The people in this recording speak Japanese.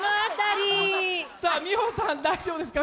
美穂さん大丈夫ですか？